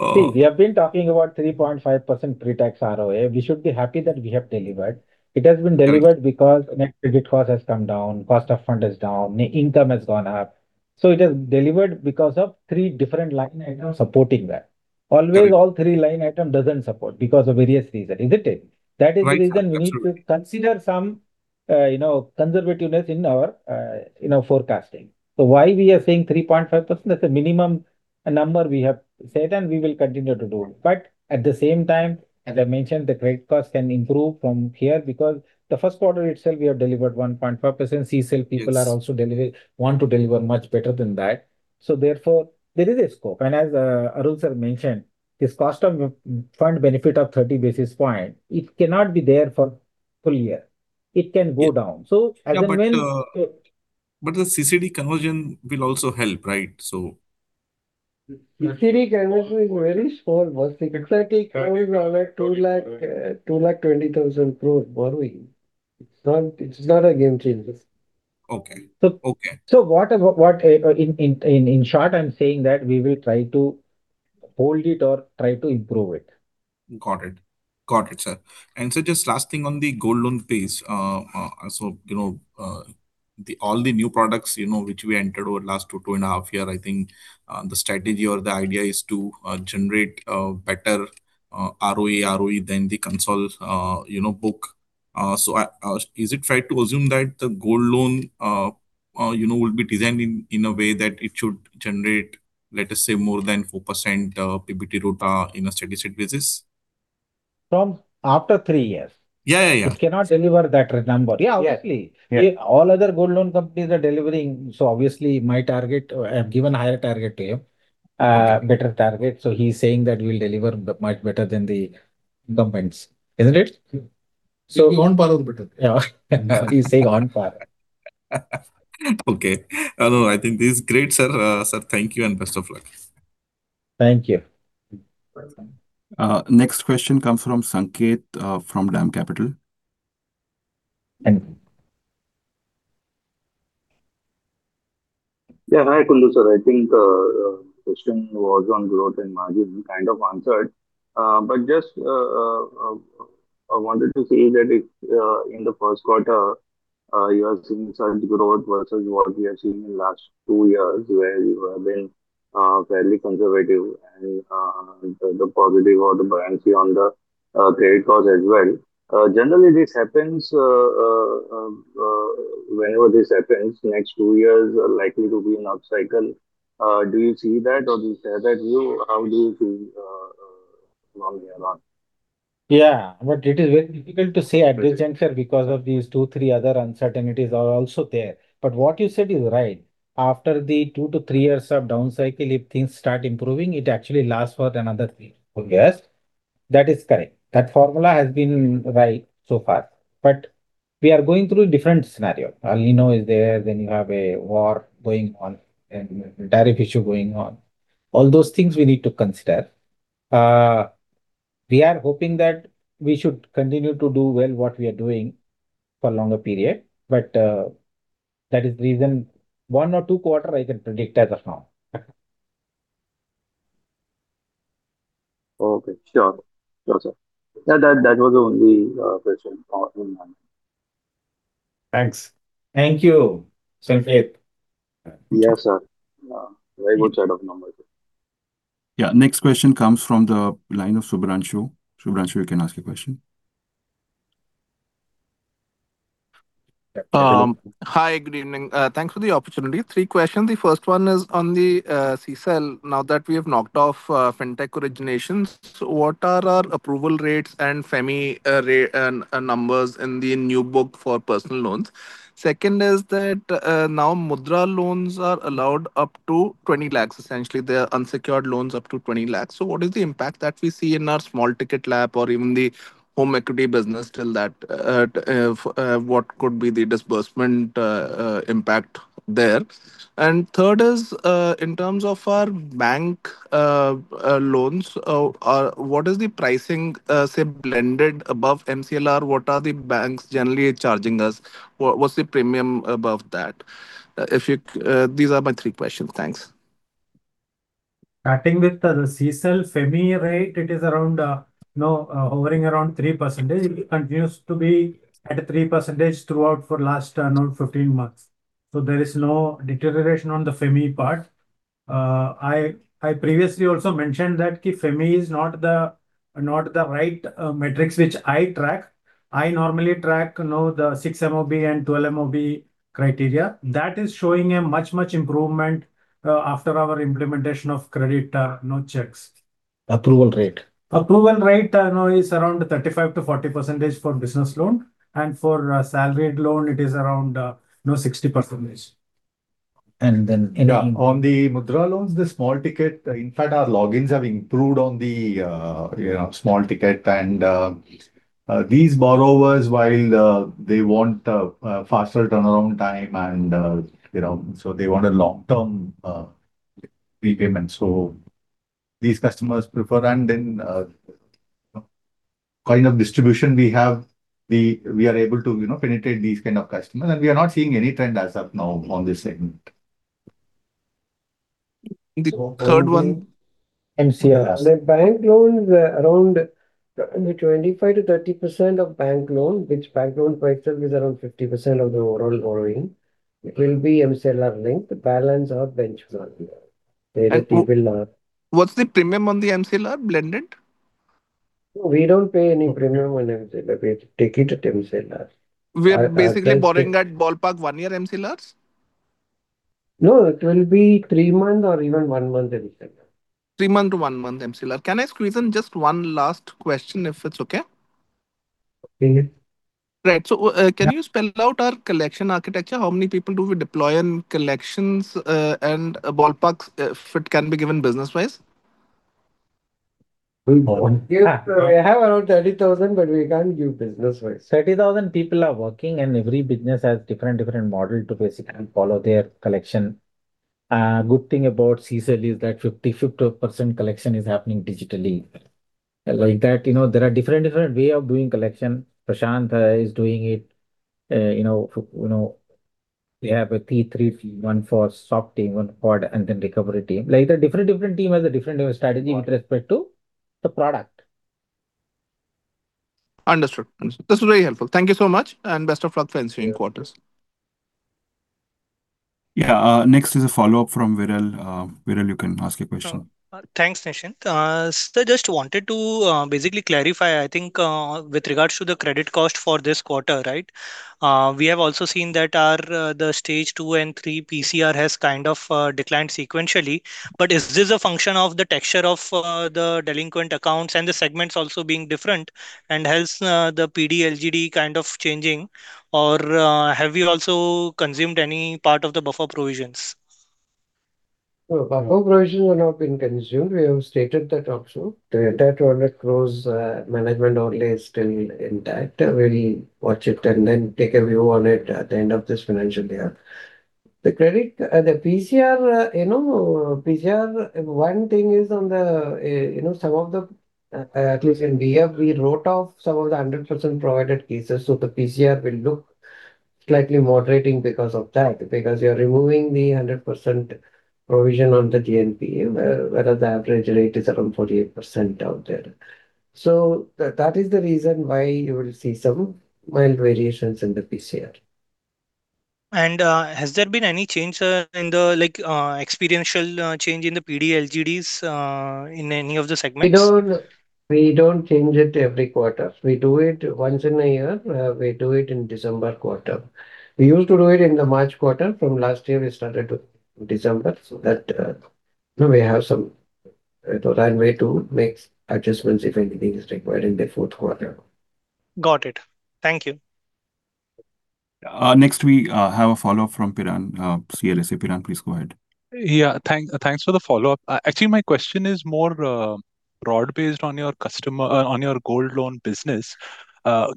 Oh. We have been talking about 3.5% pre-tax ROA. We should be happy that we have delivered. It has been delivered because net credit cost has come down, cost of fund is down, income has gone up. It has delivered because of three different line items supporting that. Right. Always all three line item doesn't support because of various reason. Isn't it? Right. Absolutely. That is the reason we need to consider some conservativeness in our forecasting. Why we are saying 3.5%? That's the minimum number we have said, and we will continue to do it. At the same time, as I mentioned, the credit cost can improve from here because the first quarter itself, we have delivered 1.5%. CSEL people. Yes. Want to deliver much better than that. Therefore, there is a scope. As Arul sir mentioned, this cost of fund benefit of 30 basis points, it cannot be there for full year. It can go down. As and when. Yeah, the CCD conversion will also help, right? CCD conversion is very small. Was exactly coming around at INR 2,20,000 crore borrowing. It is not a game changer. Okay. What, in short, I am saying that we will try to hold it or try to improve it. Got it, sir. Just last thing on the gold loan pace. All the new products which we entered over last two and a half year, I think, the strategy or the idea is to generate better ROE than the console book. Is it right to assume that the gold loan will be designed in a way that it should generate, let us say, more than 4% PBT ROA in a steady state basis? Tom, after three years. Yeah. It cannot deliver that number. Yeah, obviously. Yeah. All other gold loan companies are delivering, obviously I have given a higher target to him, a better target. He's saying that we'll deliver much better than the incumbents. Isn't it? On par or better. Yeah. He's saying on par. Okay. No, I think this is great, sir. Sir, thank you, and best of luck. Thank you. Welcome. Next question comes from Sanket from DAM Capital. Thank you. Yeah. Hi, Ravi sir. I think the question was on growth and margin, you kind of answered. Just, I wanted to say that if in the first quarter you are seeing such growth versus what we have seen in last two years, where you have been fairly conservative and the positive or the buoyancy on the credit cards as well. Generally, whenever this happens, next two years are likely to be an up cycle. Do you see that or do you share that view? How do you see along there on? Yeah, it is very difficult to say at this juncture because these two, three other uncertainties are also there. What you said is right. After the two to three years of down cycle, if things start improving, it actually lasts for another three, four years. That is correct. That formula has been right so far. We are going through a different scenario. El Niño is there, then you have a war going on and tariff issue going on. All those things we need to consider. We are hoping that we should continue to do well what we are doing for longer period. That is the reason, one or two quarter I can predict as of now. Okay. Sure. Sure, sir. That was the only question in mind. Thanks. Thank you, Sanket. Yes, sir. Very good set of numbers. Yeah. Next question comes from the line of Subhranshu. Subhranshu, you can ask your question. Hi. Good evening. Thanks for the opportunity. Three questions. The first one is on the CSEL. Now that we have knocked off fintech originations, what are our approval rates and FEMI numbers in the new book for personal loans? Second is that, now Mudra loans are allowed up to 20 lakhs. Essentially, they are unsecured loans up to 20 lakhs. What is the impact that we see in our small ticket LAP or even the home equity business till that, what could be the disbursement impact there? Third is, in terms of our bank loans, what is the pricing, say, blended above MCLR? What are the banks generally charging us? What's the premium above that? These are my three questions. Thanks. Starting with the CSEL, FEMI rate, it is hovering around 3%. It continues to be at 3% throughout for last 15 months. There is no deterioration on the FEMI part. I previously also mentioned that FEMI is not the right matrix which I track. I normally track the six MOB and 12 MOB criteria. That is showing a much improvement, after our implementation of credit checks. Approval rate. Approval rate now is around 35%-40% for business loan, and for salaried loan it is around 60%. And then. On the Mudra loans, the small ticket, in fact our logins have improved on the small ticket and these borrowers, while they want a faster turnaround time, they want a long-term repayment. These customers prefer, and then the kind of distribution we have, we are able to penetrate these kind of customers, and we are not seeing any trend as of now on this segment. The third one. MCLR. The bank loans are around 25%-30% of bank loan, which bank loan for itself is around 50% of the overall borrowing. It will be MCLR linked, the balance are benchmarked. The rate will be lower. What's the premium on the MCLR blended? We don't pay any premium on MCLR. We take it at MCLR. We're basically borrowing at ballpark one year MCLRs? It will be three month or even one month MCLR. Three month to one month MCLR. Can I squeeze in just one last question if it's okay? Right. Can you spell out our collection architecture? How many people do we deploy in collections, and ballpark, if it can be given business-wise? We have around 30,000, we can't give business-wise. 30,000 people are working and every business has different model to basically follow their collection. Good thing about CSEL is that 50% collection is happening digitally. There are different way of doing collection. Prashant is doing it. We have a T3, one for soft team, one for hard, and then recovery team. Different team has a different way of strategy with respect to the product. Understood. This was very helpful. Thank you so much. Best of luck for ensuing quarters. Yeah. Next is a follow-up from Viral. Viral, you can ask your question. Thanks, Nischint. Sir, just wanted to basically clarify, I think with regards to the credit cost for this quarter, right? We have also seen that the Stage 2 and 3 PCR has kind of declined sequentially. Is this a function of the texture of the delinquent accounts and the segments also being different, and hence the PD, LGD kind of changing, or have you also consumed any part of the buffer provisions? Buffer provisions are not being consumed. We have stated that also. The entire product grows, management only is still intact. We'll watch it then take a view on it at the end of this financial year. The PCR, one thing is, at least in VF, we wrote off some of the 100% provided cases. The PCR will look slightly moderating because of that, because you're removing the 100% provision on the DNPA, whereas the average rate is around 48% out there. That is the reason why you will see some mild variations in the PCR. Has there been any experiential change in the PD, LGDs in any of the segments? We don't change it every quarter. We do it once in a year. We do it in December quarter. We used to do it in the March quarter. From last year, we started with December so that we have some runway to make adjustments if anything is required in the fourth quarter. Got it. Thank you. Next, we have a follow-up from Piran CLSA. Piran, please go ahead. Yeah. Thanks for the follow-up. Actually, my question is more broad-based on your gold loan business.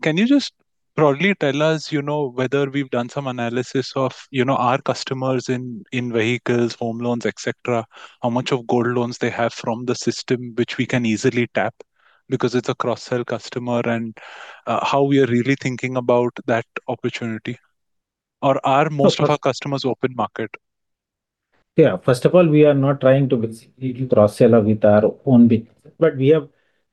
Can you just broadly tell us whether we've done some analysis of our customers in vehicles, home loans, et cetera, how much of gold loans they have from the system, which we can easily tap because it's a cross-sell customer, and how we are really thinking about that opportunity? Or are most of our customers open market? Yeah. First of all, we are not trying to basically do cross-sell with our own business, but we have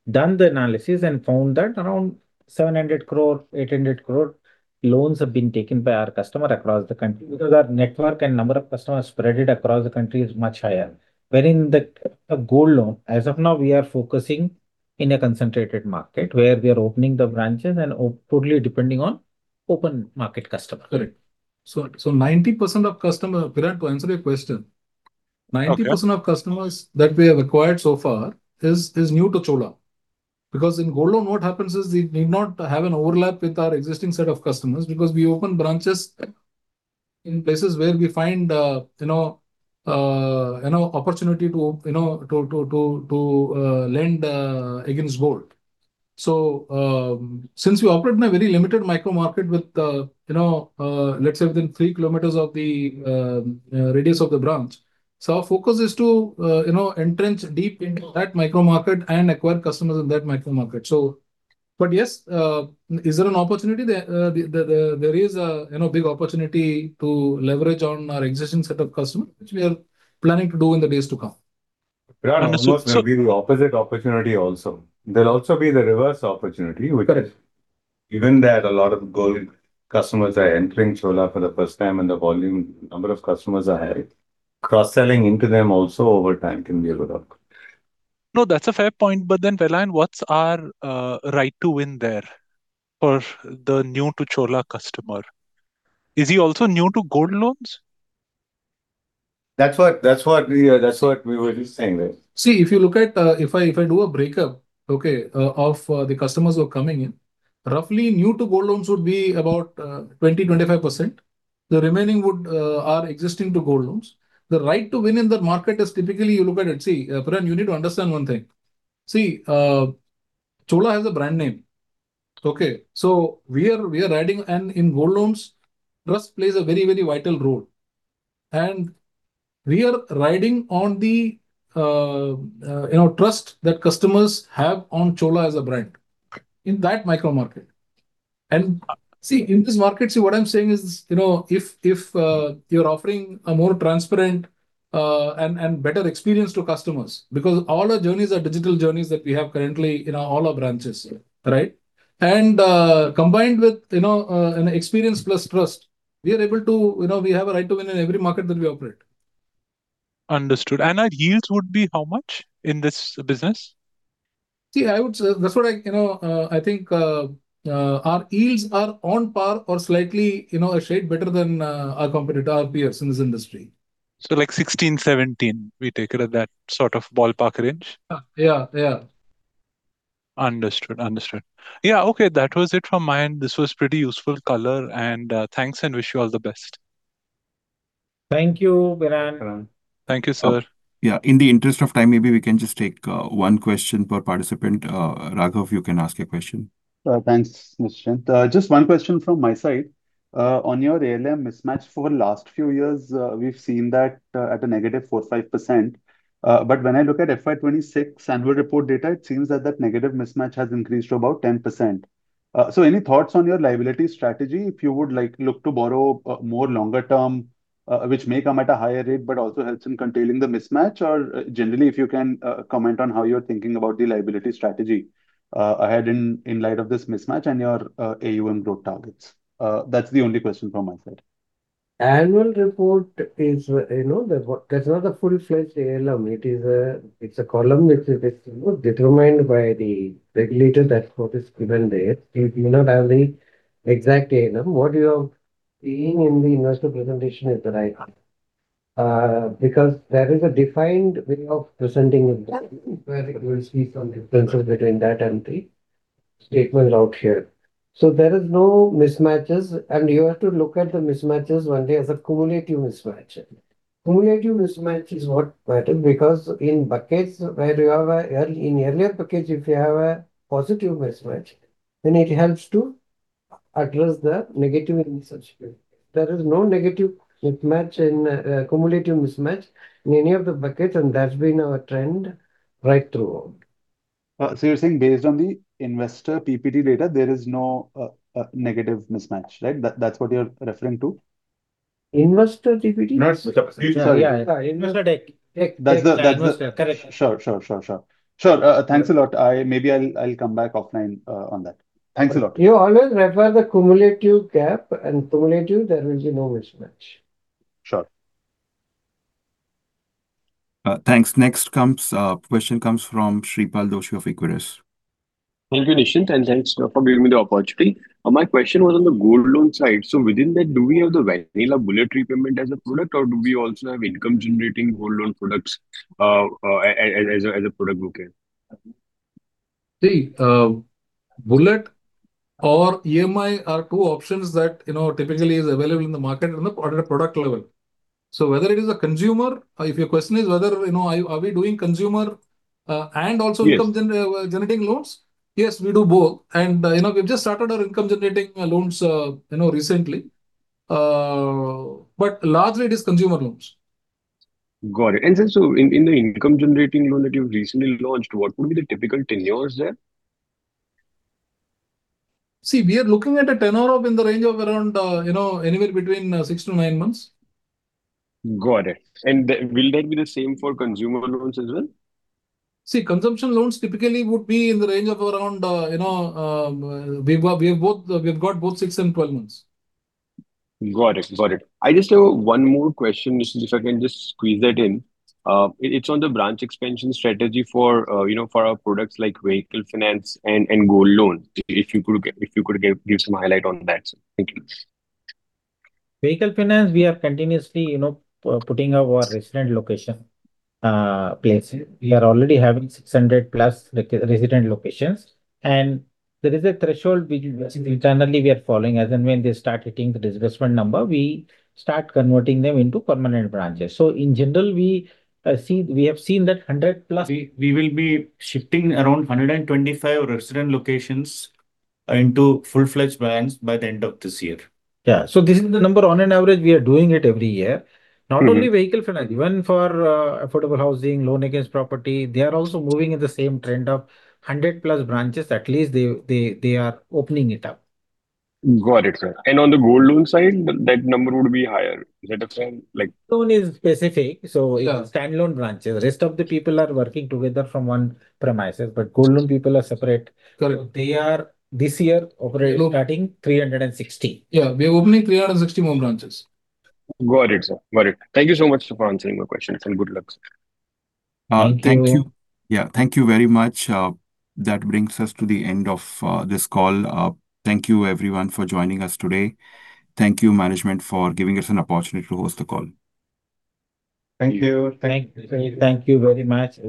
done the analysis and found that around 700 crore, 800 crore loans have been taken by our customer across the country because our network and number of customers spread across the country is much higher. The gold loan, as of now, we are focusing in a concentrated market, where we are opening the branches and totally depending on open market customer. Correct. Piran, to answer your question. Okay. 90% of customers that we have acquired so far is new to Chola. In gold loan, what happens is we need not have an overlap with our existing set of customers because we open branches in places where we find opportunity to lend against gold. Since we operate in a very limited micro-market, let's say within three kilometers of the radius of the branch. Our focus is to, entrench deep into that micro-market and acquire customers in that micro-market. Yes, is there an opportunity there? There is a big opportunity to leverage on our existing set of customers, which we are planning to do in the days to come. Piran, there will be the opposite opportunity also. There'll also be the reverse opportunity. Correct. Given that a lot of gold customers are entering Chola for the first time and the volume number of customers are high, cross-selling into them also over time can be a good option. No, that's a fair point. Vellayan, what's our right to win there for the new to Chola customer? Is he also new to gold loans? That's what we were saying. If I do a breakup of the customers who are coming in, roughly new to gold loans would be about 20%-25%. The remaining are existing to gold loans. The right to win in that market is typically you look at it. Piran, you need to understand one thing. See, Chola has a brand name. Okay. We are riding, and in gold loans, trust plays a very vital role. We are riding on the trust that customers have on Chola as a brand in that micro-market. In this market, what I'm saying is, if you're offering a more transparent and better experience to customers, because all our journeys are digital journeys that we have currently in all our branches, right? Combined with an experience plus trust, we have a right to win in every market that we operate. Understood. Our yields would be how much in this business? I think our yields are on par or slightly a shade better than our peers in this industry. Like 16%-17%, we take it at that sort of ballpark range? Yeah. Understood. Yeah. Okay. That was it from my end. This was pretty useful color and thanks and wish you all the best. Thank you, Piran. Thank you, sir. Yeah. In the interest of time, maybe we can just take one question per participant. Raghav, you can ask your question. Thanks, Nischint. Just one question from my side. On your ALM mismatch for the last few years, we've seen that at a -4%, -5%. When I look at FY 2026 annual report data, it seems that that negative mismatch has increased to about 10%. Any thoughts on your liability strategy if you would look to borrow more longer term, which may come at a higher rate, but also helps in containing the mismatch? Generally, if you can, comment on how you're thinking about the liability strategy ahead in light of this mismatch and your AUM growth targets. That's the only question from my side. Annual report, that's not a full-fledged ALM. It's a column which is determined by the regulator that what is given there. It may not have the exact ALM. What you are seeing in the investor presentation is the right ALM. There is a defined way of presenting it, where you will see some differences between that and the statement out here. There is no mismatches, and you have to look at the mismatches only as a cumulative mismatch. Cumulative mismatch is what matters, because in earlier buckets, if you have a positive mismatch, then it helps to address the negative in such a way. There is no negative mismatch in cumulative mismatch in any of the buckets, and that's been our trend right throughout. You're saying based on the investor PPT data, there is no negative mismatch, right? That's what you're referring to? Investor PPT? Investor deck. That's the. Investor. Correct. Sure. Thanks a lot. Maybe I'll come back offline on that. Thanks a lot. You always refer the cumulative gap, and cumulative, there will be no mismatch. Sure. Thanks. Next question comes from Shreepal Doshi of Equirus. Thank you, Nischint, and thanks for giving me the opportunity. My question was on the gold loan side. Within that, do we have the vanilla bullet repayment as a product, or do we also have income-generating gold loan products as a product bouquet? See, bullet or EMI are two options that typically is available in the market on a product level. Whether it is a consumer, if your question is whether, are we doing consumer and also? Yes. Income-generating loans? Yes, we do both. We've just started our income-generating loans recently. Largely, it is consumer loans. Got it. In the income-generating loan that you've recently launched, what would be the typical tenures there? We are looking at a tenure in the range of around anywhere between six to nine months. Got it. Will that be the same for consumer loans as well? Consumption loans typically would be in the range of around, we've got both six and 12 months. Got it. I just have one more question, Nischint, if I can just squeeze that in. It's on the branch expansion strategy for our products like Vehicle Finance and gold loans. If you could give some highlight on that. Thank you. Vehicle Finance, we are continuously putting up our resident location places. We are already having 600+ resident locations. There is a threshold which internally we are following, as and when they start hitting the disbursement number, we start converting them into permanent branches. In general, we have seen that. We will be shifting around 125 resident locations into full-fledged branches by the end of this year. Yeah. This is the number, on an average, we are doing it every year. Not only Vehicle Finance, even for affordable housing, loan against property, they are also moving in the same trend of 100+ branches, at least, they are opening it up. Got it, sir. On the gold loan side, that number would be higher? Is that a trend? Gold loan is specific. Yeah. Standalone branches. Rest of the people are working together from one premises, but gold loan people are separate. Correct. They are this year operating, starting 360. Yeah, we are opening 360 more branches. Got it, sir. Thank you so much for answering my questions and good luck, sir. Thank you. Yeah. Thank you very much. That brings us to the end of this call. Thank you, everyone, for joining us today. Thank you, management, for giving us an opportunity to host the call. Thank you. Thank you. Thank you very much.